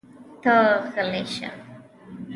ته غلی شه!